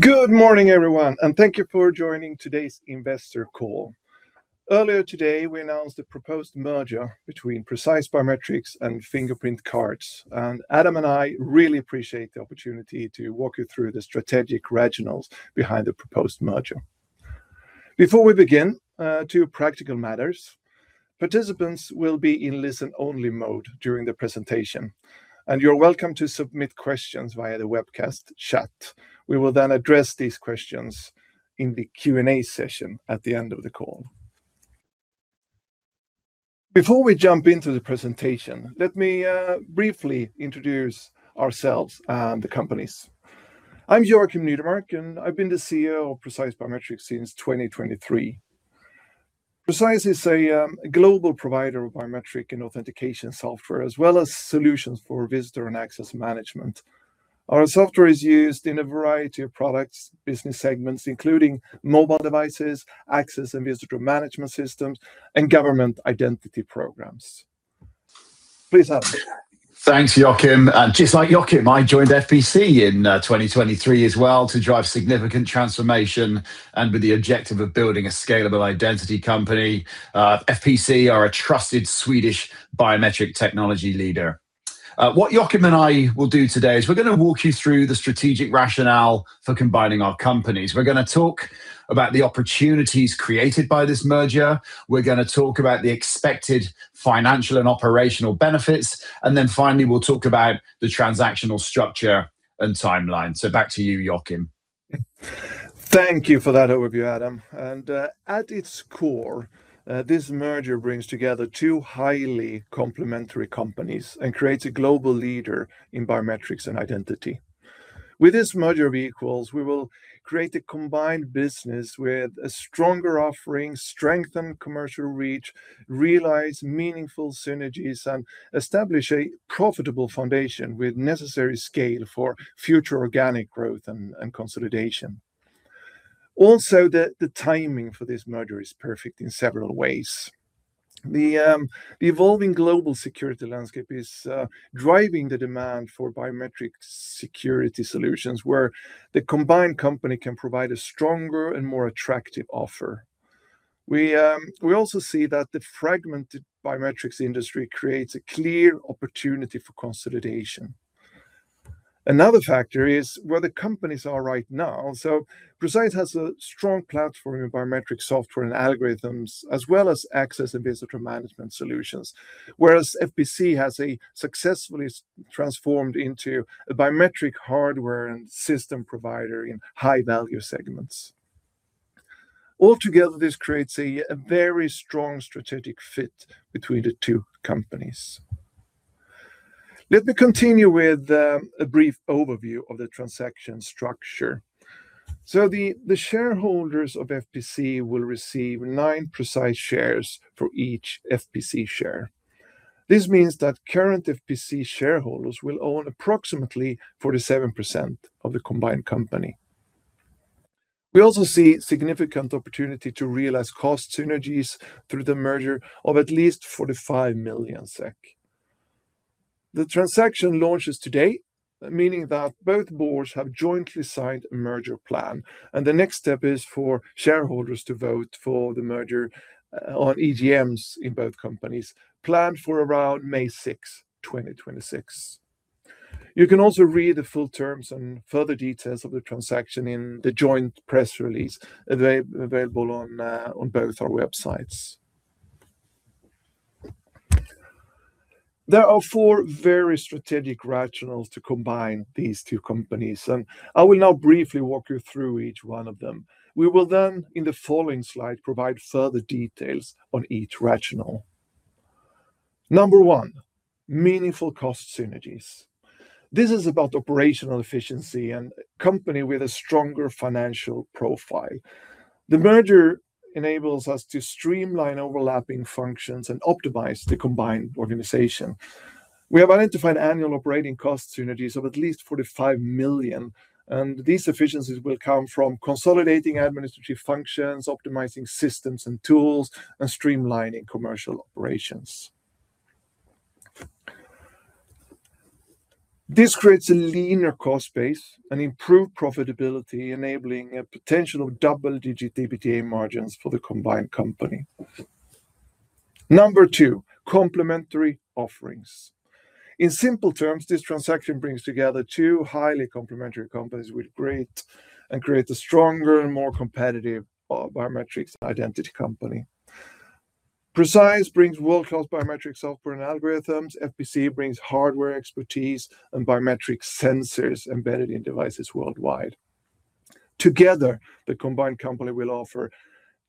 Good morning everyone, and thank you for joining today's investor call. Earlier today, we announced a proposed merger between Precise Biometrics and Fingerprint Cards. Adam and I really appreciate the opportunity to walk you through the strategic rationales behind the proposed merger. Before we begin, two practical matters. Participants will be in listen-only mode during the presentation, and you're welcome to submit questions via the webcast chat. We will then address these questions in the Q&A session at the end of the call. Before we jump into the presentation, let me briefly introduce ourselves and the companies. I'm Joakim Nydemark, and I've been the CEO of Precise Biometrics since 2023. Precise is a global provider of biometric and authentication software, as well as solutions for visitor and access management. Our software is used in a variety of products, business segments, including mobile devices, access and visitor management systems, and government identity programs. Please, Adam. Thanks, Joakim. Just like Joakim, I joined FPC in 2023 as well to drive significant transformation and with the objective of building a scalable identity company. FPC are a trusted Swedish biometric technology leader. What Joakim and I will do today is we're gonna walk you through the strategic rationale for combining our companies. We're gonna talk about the opportunities created by this merger, we're gonna talk about the expected financial and operational benefits, and then finally, we'll talk about the transactional structure and timeline. Back to you, Joakim. Thank you for that overview, Adam. At its core, this merger brings together two highly complementary companies and creates a global leader in biometrics and identity. With this merger of equals, we will create a combined business with a stronger offering, strengthen commercial reach, realize meaningful synergies, and establish a profitable foundation with necessary scale for future organic growth and consolidation. Also, the timing for this merger is perfect in several ways. The evolving global security landscape is driving the demand for biometric security solutions, where the combined company can provide a stronger and more attractive offer. We also see that the fragmented biometrics industry creates a clear opportunity for consolidation. Another factor is where the companies are right now. Precise has a strong platform in biometric software and algorithms, as well as access and visitor management solutions, whereas FPC has successfully transformed into a biometric hardware and system provider in high value segments. Altogether, this creates a very strong strategic fit between the two companies. Let me continue with a brief overview of the transaction structure. The shareholders of FPC will receive nine Precise shares for each FPC share. This means that current FPC shareholders will own approximately 47% of the combined company. We also see significant opportunity to realize cost synergies through the merger of at least 45 million SEK. The transaction launches today, meaning that both boards have jointly signed a merger plan, and the next step is for shareholders to vote for the merger on EGMs in both companies planned for around May 6, 2026. You can also read the full terms and further details of the transaction in the joint press release available on both our websites. There are four very strategic rationales to combine these two companies, and I will now briefly walk you through each one of them. We will then, in the following slide, provide further details on each rationale. Number one, meaningful cost synergies. This is about operational efficiency and company with a stronger financial profile. The merger enables us to streamline overlapping functions and optimize the combined organization. We have identified annual operating cost synergies of at least 45 million, and these efficiencies will come from consolidating administrative functions, optimizing systems and tools, and streamlining commercial operations. This creates a leaner cost base and improved profitability, enabling a potential of double-digit EBITDA margins for the combined company. Number two, complementary offerings. In simple terms, this transaction brings together two highly complementary companies and creates a stronger and more competitive biometrics identity company. Precise brings world-class biometric software and algorithms. FPC brings hardware expertise and biometric sensors embedded in devices worldwide. Together, the combined company will offer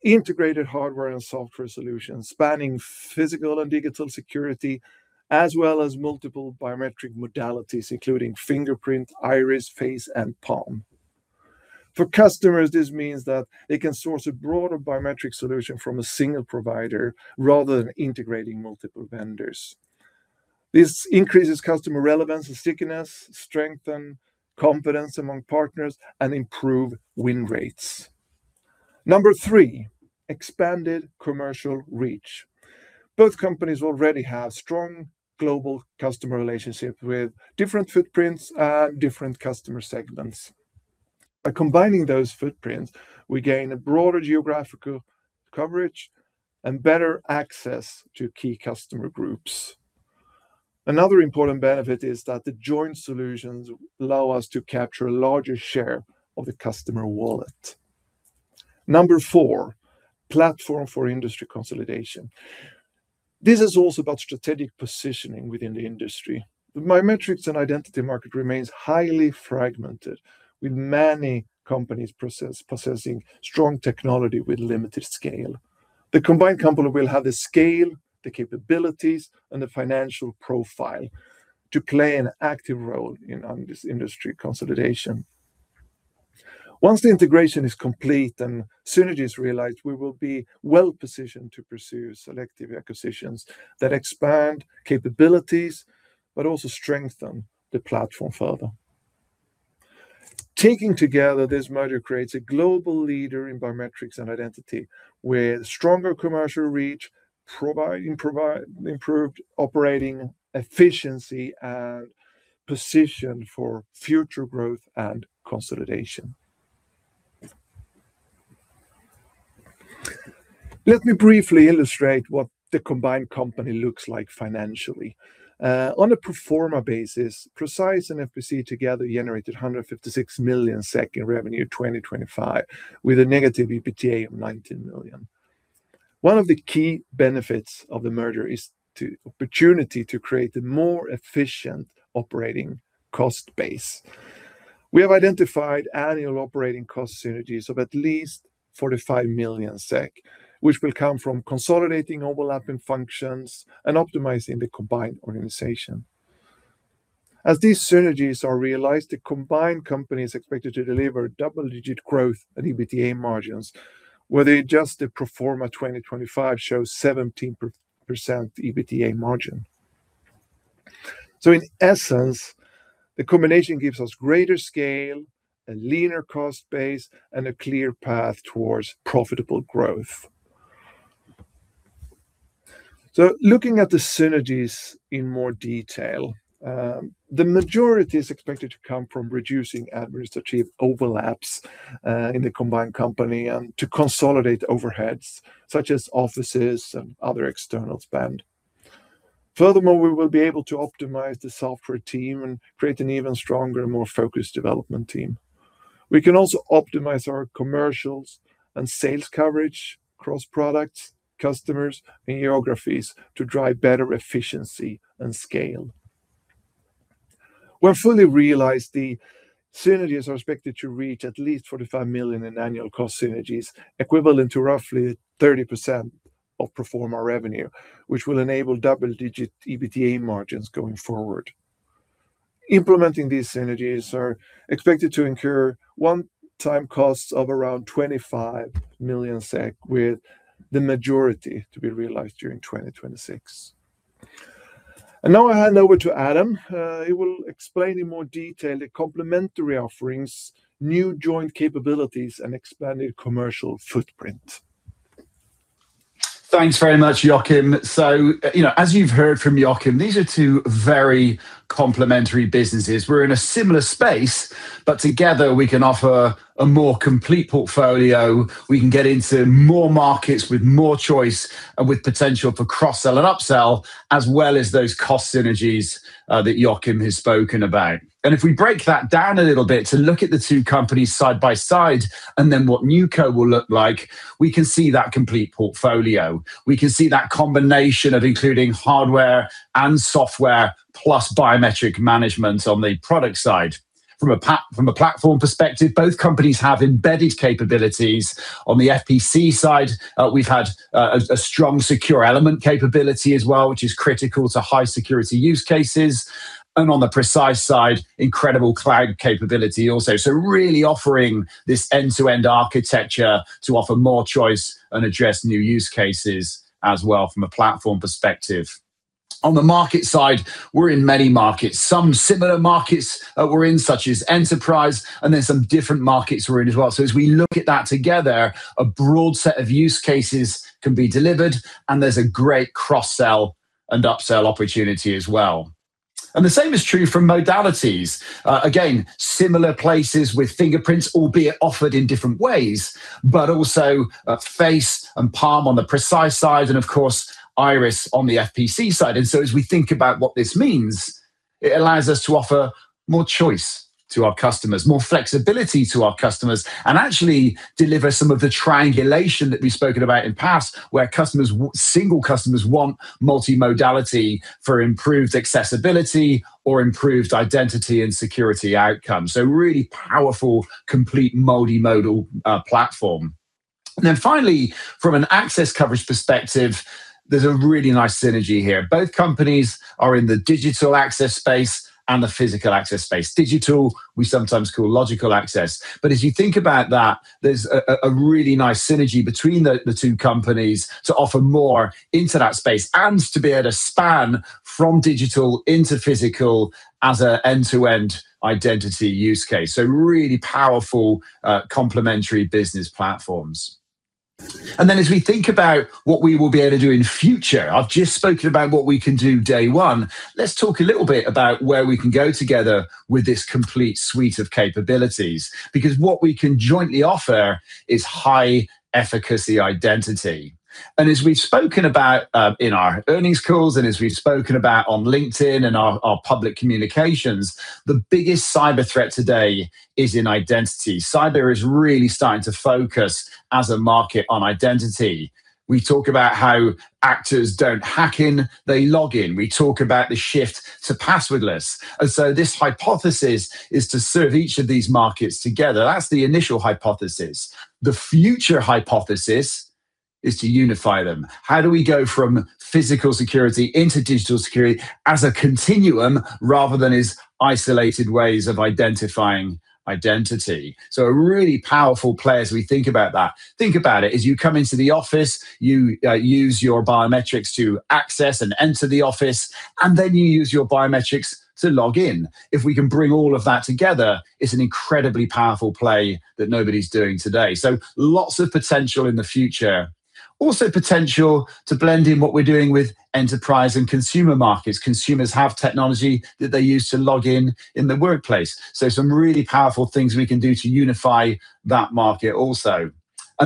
integrated hardware and software solutions spanning physical and digital security, as well as multiple biometric modalities, including fingerprint, iris, face, and palm. For customers, this means that they can source a broader biometric solution from a single provider rather than integrating multiple vendors. This increases customer relevance and stickiness, strengthen confidence among partners, and improve win rates. Number three, expanded commercial reach. Both companies already have strong global customer relationships with different footprints and different customer segments. By combining those footprints, we gain a broader geographical coverage and better access to key customer groups. Another important benefit is that the joint solutions allow us to capture a larger share of the customer wallet. Number four, platform for industry consolidation. This is also about strategic positioning within the industry. The biometrics and identity market remains highly fragmented, with many companies possessing strong technology with limited scale. The combined company will have the scale, the capabilities, and the financial profile to play an active role in this industry consolidation. Once the integration is complete and synergies realized, we will be well-positioned to pursue selective acquisitions that expand capabilities but also strengthen the platform further. Taken together, this merger creates a global leader in biometrics and identity with stronger commercial reach, providing improved operating efficiency and position for future growth and consolidation. Let me briefly illustrate what the combined company looks like financially. On a pro forma basis, Precise and FPC together generated 156 million SEK in revenue 2025, with a negative EBITDA of 19 million. One of the key benefits of the merger is opportunity to create a more efficient operating cost base. We have identified annual operating cost synergies of at least 45 million SEK, which will come from consolidating overlapping functions and optimizing the combined organization. As these synergies are realized, the combined company is expected to deliver double-digit growth and EBITDA margins, where the adjusted pro forma 2025 shows 17% EBITDA margin. In essence, the combination gives us greater scale, a leaner cost base, and a clear path towards profitable growth. Looking at the synergies in more detail, the majority is expected to come from reducing administrative overlaps, in the combined company and to consolidate overheads, such as offices and other external spend. Furthermore, we will be able to optimize the software team and create an even stronger, more focused development team. We can also optimize our commercials and sales coverage across products, customers, and geographies to drive better efficiency and scale. When fully realized, the synergies are expected to reach at least 45 million in annual cost synergies, equivalent to roughly 30% of pro forma revenue, which will enable double-digit EBITDA margins going forward. Implementing these synergies are expected to incur one-time costs of around 25 million SEK, with the majority to be realized during 2026. Now I hand over to Adam. He will explain in more detail the complementary offerings, new joint capabilities, and expanded commercial footprint. Thanks very much, Joakim. You know, as you've heard from Joakim, these are two very complementary businesses. We're in a similar space, but together we can offer a more complete portfolio, we can get into more markets with more choice and with potential for cross-sell and upsell, as well as those cost synergies that Joakim has spoken about. If we break that down a little bit to look at the two companies side by side and then what NewCo will look like, we can see that complete portfolio. We can see that combination of including hardware and software, plus biometric management on the product side. From a platform perspective, both companies have embedded capabilities. On the FPC side, we've had a strong, secure element capability as well, which is critical to high security use cases. On the Precise side, incredible cloud capability also. Really offering this end-to-end architecture to offer more choice and address new use cases as well from a platform perspective. On the market side, we're in many markets. Some similar markets, we're in, such as enterprise, and then some different markets we're in as well. As we look at that together, a broad set of use cases can be delivered, and there's a great cross-sell and upsell opportunity as well. The same is true for modalities. Again, similar places with fingerprints, albeit offered in different ways, but also, face and palm on the Precise side and of course, iris on the FPC side. As we think about what this means, it allows us to offer more choice to our customers, more flexibility to our customers, and actually deliver some of the triangulation that we've spoken about in past, where single customers want multimodality for improved accessibility or improved identity and security outcomes. Really powerful, complete multimodal platform. Finally, from an access coverage perspective, there's a really nice synergy here. Both companies are in the digital access space and the physical access space. Digital we sometimes call logical access. As you think about that, there's a really nice synergy between the two companies to offer more into that space and to be able to span from digital into physical as an end-to-end identity use case. Really powerful, complementary business platforms. Then as we think about what we will be able to do in future, I've just spoken about what we can do day one. Let's talk a little bit about where we can go together with this complete suite of capabilities, because what we can jointly offer is high efficacy identity. As we've spoken about in our earnings calls and as we've spoken about on LinkedIn and our public communications, the biggest cyber threat today is in identity. Cyber is really starting to focus as a market on identity. We talk about how actors don't hack in, they log in. We talk about the shift to passwordless. This hypothesis is to serve each of these markets together. That's the initial hypothesis. The future hypothesis is to unify them. How do we go from physical security into digital security as a continuum rather than as isolated ways of identifying identity? A really powerful play as we think about that. Think about it, as you come into the office, you use your biometrics to access and enter the office, and then you use your biometrics to log in. If we can bring all of that together, it's an incredibly powerful play that nobody's doing today. Lots of potential in the future. Also potential to blend in what we're doing with enterprise and consumer markets. Consumers have technology that they use to log in in the workplace, so some really powerful things we can do to unify that market also.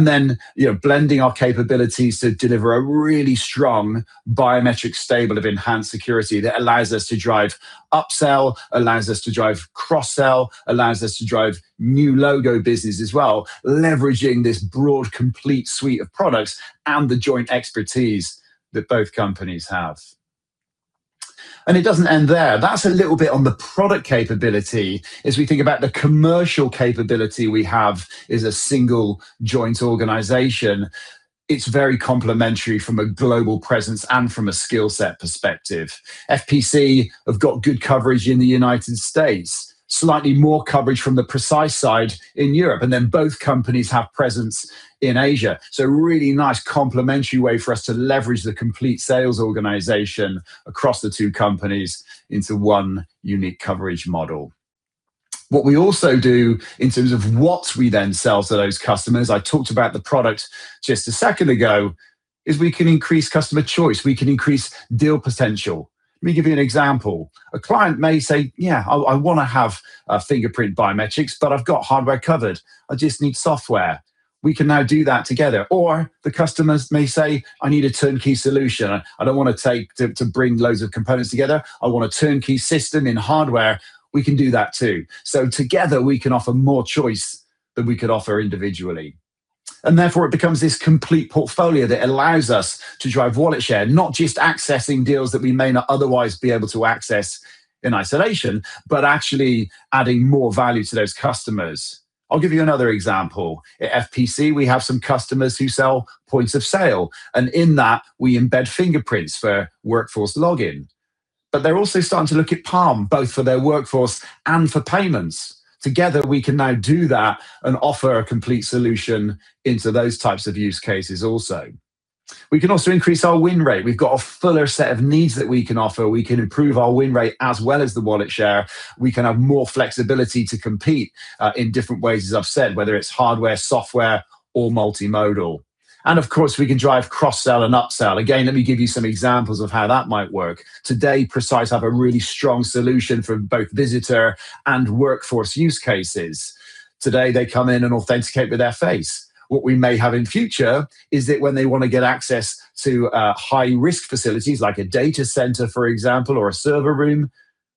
Then, you know, blending our capabilities to deliver a really strong biometric stable of enhanced security that allows us to drive upsell, allows us to drive cross-sell, allows us to drive new logo business as well, leveraging this broad, complete suite of products and the joint expertise that both companies have. It doesn't end there. That's a little bit on the product capability. As we think about the commercial capability we have as a single joint organization, it's very complementary from a global presence and from a skill set perspective. FPC have got good coverage in the United States, slightly more coverage from the Precise side in Europe, and then both companies have presence in Asia. A really nice complementary way for us to leverage the complete sales organization across the two companies into one unique coverage model. What we also do in terms of what we then sell to those customers, I talked about the product just a second ago, is we can increase customer choice. We can increase deal potential. Let me give you an example. A client may say, "Yeah, I wanna have fingerprint biometrics, but I've got hardware covered. I just need software." We can now do that together. Or the customers may say, "I need a turnkey solution. I don't wanna bring loads of components together. I want a turnkey system in hardware." We can do that too. Together we can offer more choice than we could offer individually. Therefore it becomes this complete portfolio that allows us to drive wallet share, not just accessing deals that we may not otherwise be able to access in isolation, but actually adding more value to those customers. I'll give you another example. At FPC, we have some customers who sell points of sale, and in that we embed fingerprints for workforce login. They're also starting to look at palm, both for their workforce and for payments. Together, we can now do that and offer a complete solution into those types of use cases also. We can also increase our win rate. We've got a fuller set of needs that we can offer. We can improve our win rate as well as the wallet share. We can have more flexibility to compete, in different ways, as I've said, whether it's hardware, software, or multimodal. Of course, we can drive cross-sell and upsell. Again, let me give you some examples of how that might work. Today, Precise have a really strong solution for both visitor and workforce use cases. Today, they come in and authenticate with their face. What we may have in future is that when they wanna get access to, high-risk facilities, like a data center, for example, or a server room,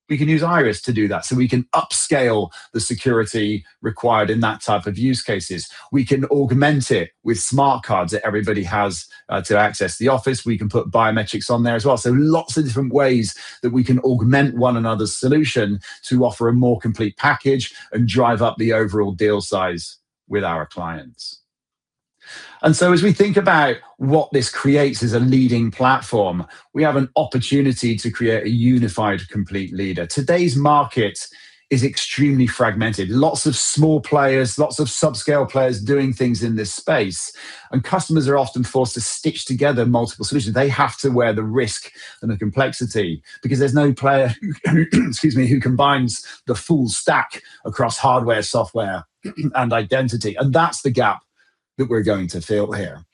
we can use iris to do that. We can upscale the security required in that type of use cases. We can augment it with smart cards that everybody has, to access the office. We can put biometrics on there as well. Lots of different ways that we can augment one another's solution to offer a more complete package and drive up the overall deal size with our clients. As we think about what this creates as a leading platform, we have an opportunity to create a unified, complete leader. Today's market is extremely fragmented. Lots of small players, lots of subscale players doing things in this space, and customers are often forced to stitch together multiple solutions. They have to wear the risk and the complexity because there's no player who, excuse me, who combines the full stack across hardware, software, and identity, and that's the gap that we're going to fill here.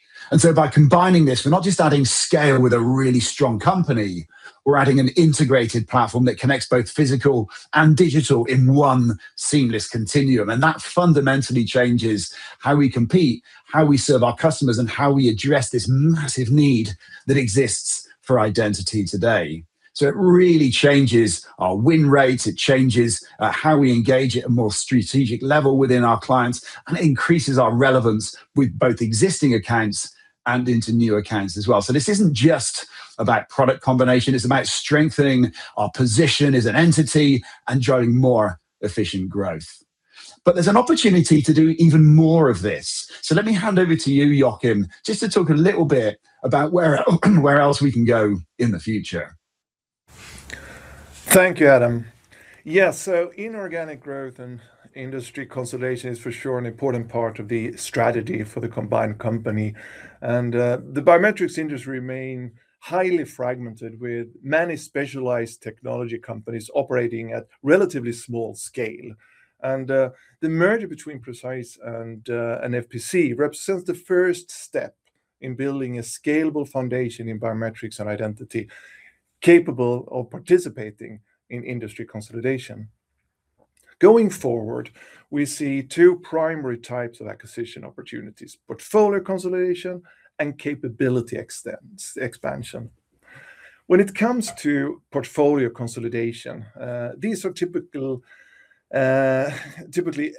By combining this, we're not just adding scale with a really strong company, we're adding an integrated platform that connects both physical and digital in one seamless continuum. That fundamentally changes how we compete, how we serve our customers, and how we address this massive need that exists for identity today. It really changes our win rate, it changes how we engage at a more strategic level within our clients, and it increases our relevance with both existing accounts and into new accounts as well. This isn't just about product combination, it's about strengthening our position as an entity and driving more efficient growth. There's an opportunity to do even more of this. Let me hand over to you, Joakim, just to talk a little bit about where else we can go in the future. Thank you, Adam. Yes, inorganic growth and industry consolidation is for sure an important part of the strategy for the combined company. The biometrics industry remain highly fragmented with many specialized technology companies operating at relatively small scale. The merger between Precise and FPC represents the first step in building a scalable foundation in biometrics and identity capable of participating in industry consolidation. Going forward, we see two primary types of acquisition opportunities: portfolio consolidation and capability expansion. When it comes to portfolio consolidation, these are typically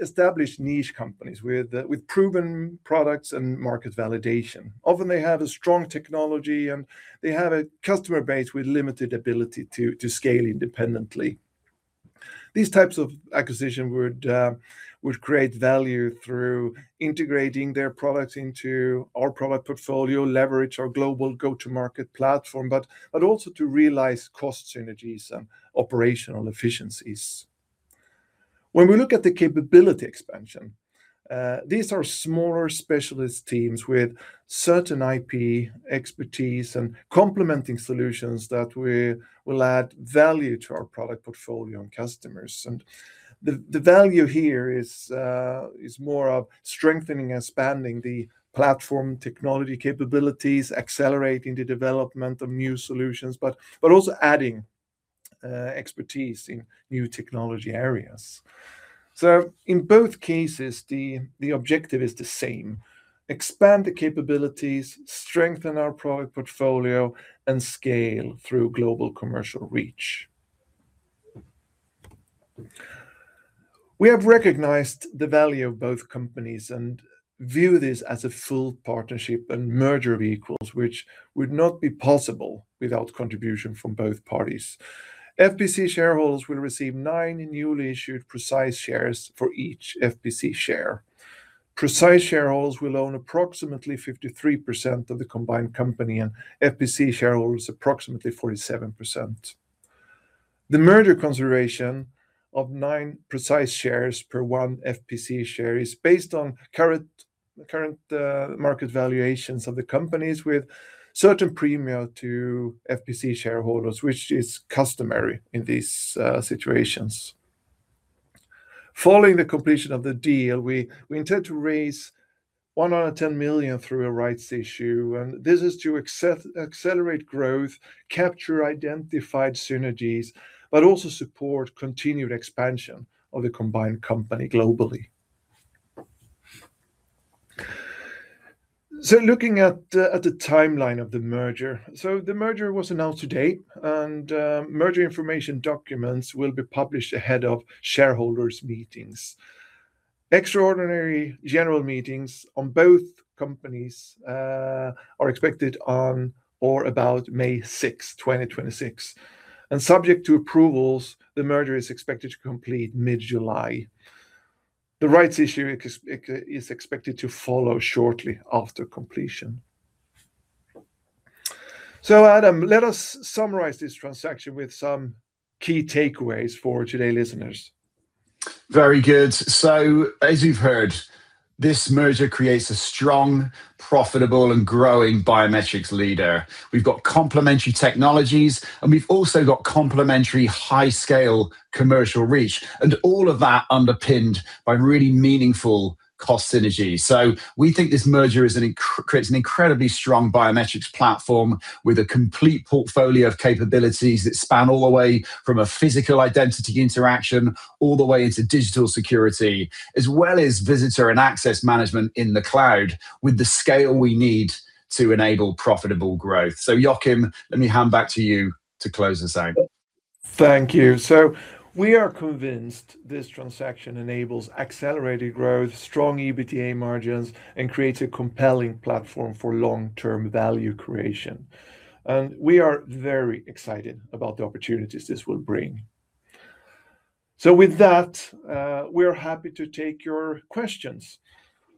established niche companies with proven products and market validation. Often they have a strong technology, and they have a customer base with limited ability to scale independently. These types of acquisition would create value through integrating their product into our product portfolio, leverage our global go-to-market platform, but also to realize cost synergies and operational efficiencies. When we look at the capability expansion, these are smaller specialist teams with certain IP expertise and complementing solutions that we will add value to our product portfolio and customers. The value here is more of strengthening expanding the platform technology capabilities, accelerating the development of new solutions, but also adding expertise in new technology areas. In both cases, the objective is the same, expand the capabilities, strengthen our product portfolio, and scale through global commercial reach. We have recognized the value of both companies and view this as a full partnership and merger of equals, which would not be possible without contribution from both parties. FPC shareholders will receive nine newly issued Precise shares for each FPC share. Precise shareholders will own approximately 53% of the combined company, and FPC shareholders, approximately 47%. The merger consideration of nine Precise shares per one FPC share is based on current market valuations of the companies with certain premium to FPC shareholders, which is customary in these situations. Following the completion of the deal, we intend to raise 110 million through a rights issue, and this is to accelerate growth, capture identified synergies, but also support continued expansion of the combined company globally. Looking at the timeline of the merger. The merger was announced today, and merger information documents will be published ahead of shareholders' meetings. Extraordinary general meetings on both companies are expected on or about May 6th, 2026. Subject to approvals, the merger is expected to complete mid-July. The rights issue ex-date is expected to follow shortly after completion. Adam, let us summarize this transaction with some key takeaways for today's listeners. Very good. As you've heard, this merger creates a strong, profitable, and growing biometrics leader. We've got complementary technologies, and we've also got complementary high scale commercial reach, and all of that underpinned by really meaningful cost synergies. We think this merger creates an incredibly strong biometrics platform with a complete portfolio of capabilities that span all the way from a physical identity interaction all the way into digital security, as well as visitor and access management in the cloud with the scale we need to enable profitable growth. Joakim, let me hand back to you to close this out. Thank you. We are convinced this transaction enables accelerated growth, strong EBITDA margins, and creates a compelling platform for long-term value creation. We are very excited about the opportunities this will bring. With that, we're happy to take your questions.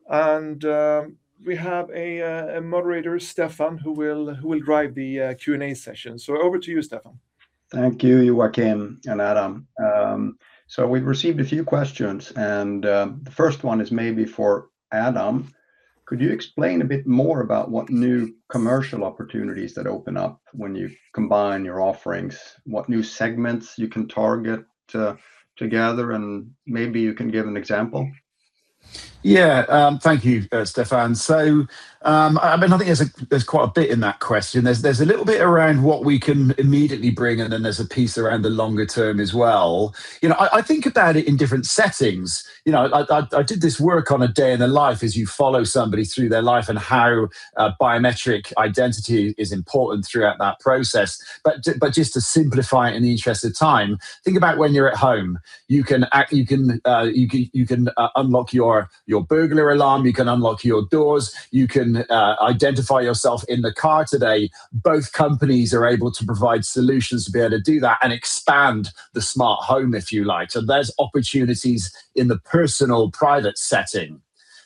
We have a moderator, Stefan, who will drive the Q&A session. Over to you, Stefan. Thank you, Joakim and Adam. We've received a few questions, and the first one is maybe for Adam. Could you explain a bit more about what new commercial opportunities that open up when you combine your offerings? What new segments you can target together, and maybe you can give an example? Thank you, Stefan. I mean, I think there's quite a bit in that question. There's a little bit around what we can immediately bring, and then there's a piece around the longer term as well. You know, I did this work on a day in the life as you follow somebody through their life and how biometric identity is important throughout that process. Just to simplify it in the interest of time, think about when you're at home. You can unlock your burglar alarm, you can unlock your doors, you can identify yourself in the car today. Both companies are able to provide solutions to be able to do that and expand the smart home, if you like. There's opportunities in the personal private setting.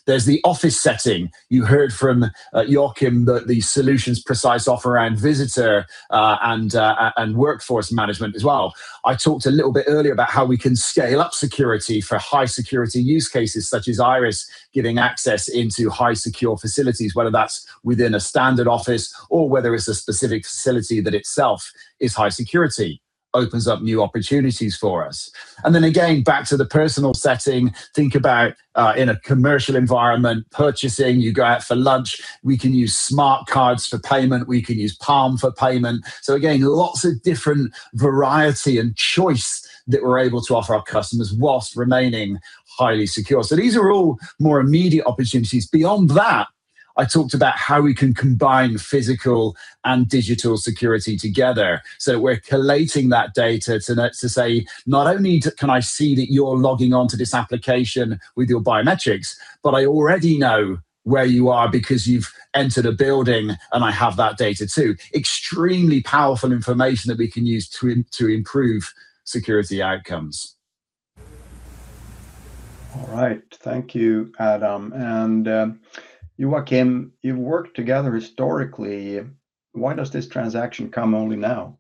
There's the office setting. You heard from Joakim that the solutions Precise offer around visitor and workforce management as well. I talked a little bit earlier about how we can scale up security for high security use cases such as iris giving access into high secure facilities, whether that's within a standard office or whether it's a specific facility that itself is high security opens up new opportunities for us. Back to the personal setting, think about in a commercial environment, purchasing, you go out for lunch, we can use smart cards for payment. We can use palm for payment. Again, lots of different variety and choice that we're able to offer our customers while remaining highly secure. These are all more immediate opportunities. Beyond that, I talked about how we can combine physical and digital security together. We're collating that data now to say, not only can I see that you're logging onto this application with your biometrics, but I already know where you are because you've entered a building and I have that data too. Extremely powerful information that we can use to improve security outcomes. All right. Thank you, Adam. Joakim, you've worked together historically, why does this transaction come only now?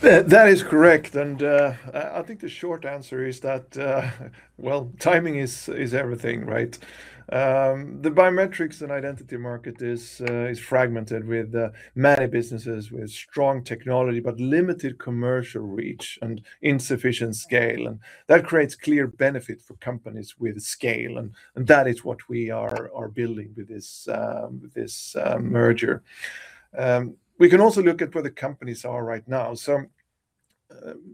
That is correct. I think the short answer is that, well, timing is everything, right? The biometrics and identity market is fragmented with many businesses with strong technology, but limited commercial reach and insufficient scale, and that creates clear benefit for companies with scale. That is what we are building with this merger. We can also look at where the companies are right now.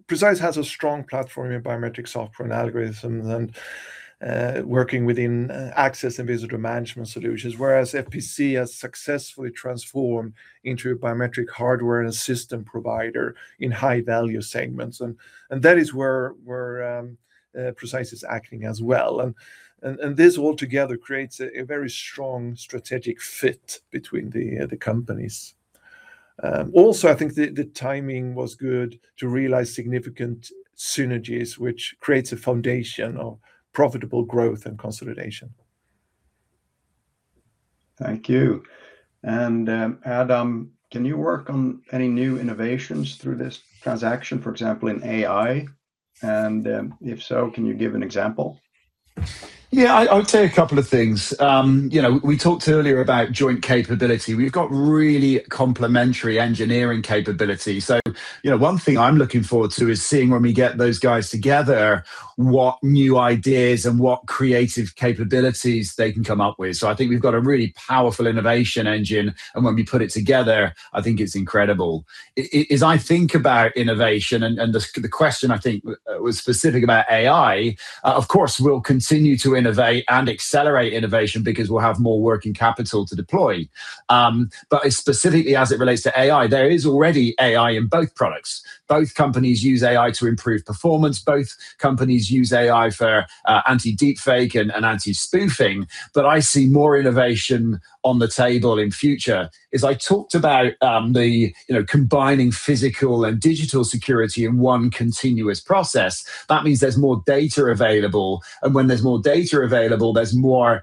Precise has a strong platform in biometric software and algorithms and working within access and visitor management solutions, whereas FPC has successfully transformed into biometric hardware and systems provider in high-value segments. That is where Precise is acting as well. This all together creates a very strong strategic fit between the companies. Also, I think the timing was good to realize significant synergies, which creates a foundation of profitable growth and consolidation. Thank you. Adam, can you work on any new innovations through this transaction, for example, in AI? If so, can you give an example? Yeah. I would say a couple of things. You know, we talked earlier about joint capability. We've got really complementary engineering capability. You know, one thing I'm looking forward to is seeing when we get those guys together, what new ideas and what creative capabilities they can come up with. I think we've got a really powerful innovation engine, and when we put it together, I think it's incredible. I as I think about innovation and the question I think was specific about AI, of course we'll continue to innovate and accelerate innovation because we'll have more working capital to deploy. Specifically as it relates to AI, there is already AI in both products. Both companies use AI to improve performance. Both companies use AI for anti-deepfake and anti-spoofing. I see more innovation on the table in the future, as I talked about, you know, combining physical and digital security in one continuous process. That means there's more data available, and when there's more data available, there's more,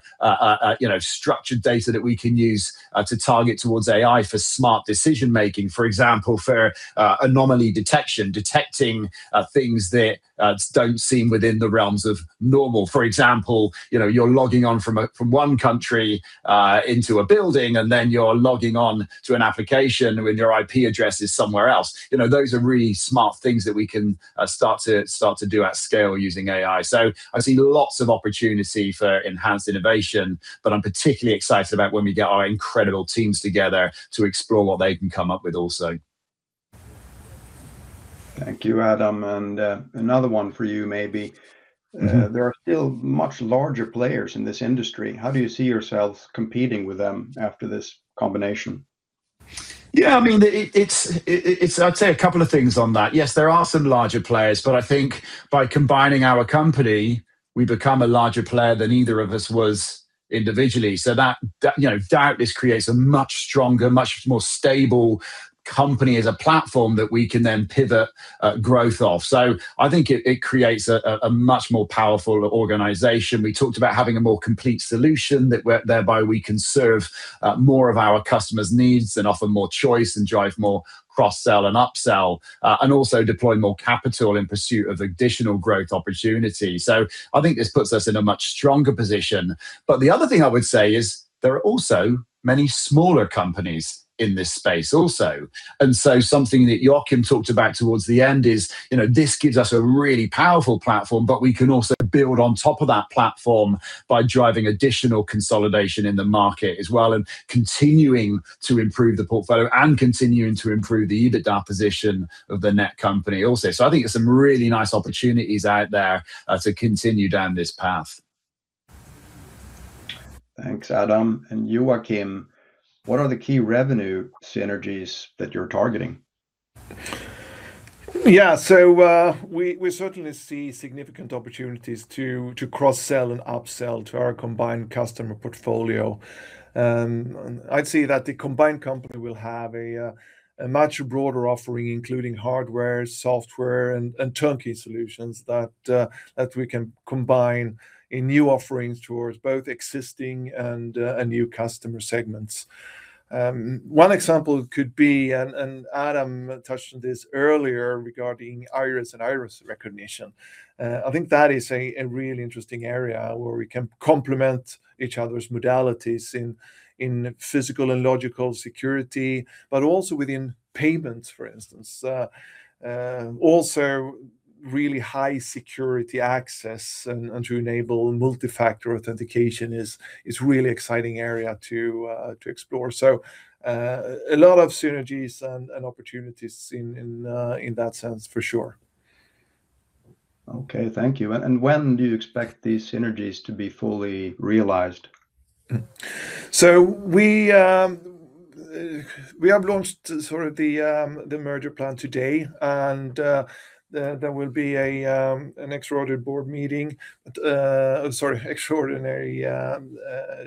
you know, structured data that we can use to target towards AI for smart decision-making. For example, for anomaly detection, detecting things that don't seem within the realms of normal. For example, you know, you're logging on from one country into a building, and then you're logging on to an application when your IP address is somewhere else. You know, those are really smart things that we can start to do at scale using AI. I see lots of opportunity for enhanced innovation, but I'm particularly excited about when we get our incredible teams together to explore what they can come up with also. Thank you, Adam. Another one for you maybe. Mm-hmm. There are still much larger players in this industry. How do you see yourselves competing with them after this combination? Yeah, I mean, it's. I'd say a couple of things on that. Yes, there are some larger players, but I think by combining our company, we become a larger player than either of us was individually. That you know doubtless creates a much stronger, much more stable company as a platform that we can then pivot growth off. I think it creates a much more powerful organization. We talked about having a more complete solution thereby we can serve more of our customers' needs and offer more choice and drive more cross sell and upsell and also deploy more capital in pursuit of additional growth opportunity. I think this puts us in a much stronger position. The other thing I would say is there are also many smaller companies in this space also. Something that Joakim talked about towards the end is, you know, this gives us a really powerful platform, but we can also build on top of that platform by driving additional consolidation in the market as well, and continuing to improve the portfolio and continuing to improve the EBITDA position of the NewCo also. I think there's some really nice opportunities out there to continue down this path. Thanks, Adam. Joakim, what are the key revenue synergies that you're targeting? Yeah. We certainly see significant opportunities to cross-sell and upsell to our combined customer portfolio. I'd say that the combined company will have a much broader offering, including hardware, software and turnkey solutions that we can combine in new offerings towards both existing and new customer segments. One example could be, and Adam touched on this earlier regarding iris recognition. I think that is a really interesting area where we can complement each other's modalities in physical and logical security, but also within payments, for instance. Also really high security access and to enable multi-factor authentication is really exciting area to explore. A lot of synergies and opportunities in that sense for sure. Okay. Thank you. When do you expect these synergies to be fully realized? We have launched sort of the merger plan today, and there will be an extraordinary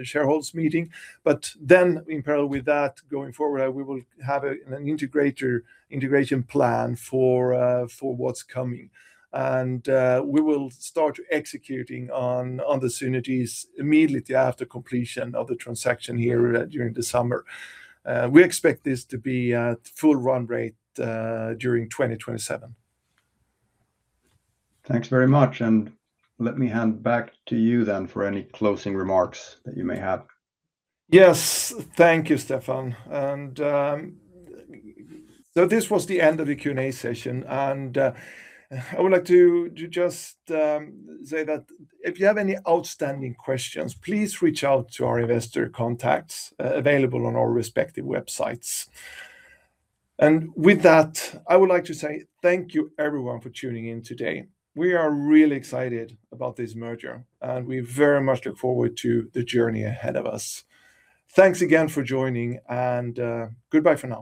shareholders meeting. In parallel with that going forward, we will have an integration plan for what's coming. We will start executing on the synergies immediately after completion of the transaction here during the summer. We expect this to be at full run rate during 2027. Thanks very much. Let me hand back to you then for any closing remarks that you may have. Yes. Thank you, Stefan. This was the end of the Q&A session. I would like to just say that if you have any outstanding questions, please reach out to our investor contacts available on our respective websites. With that, I would like to say thank you everyone for tuning in today. We are really excited about this merger, and we very much look forward to the journey ahead of us. Thanks again for joining and goodbye for now.